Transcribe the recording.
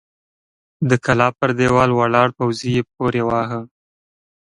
د کلا پر دېوال ولاړ پوځي يې پورې واهه!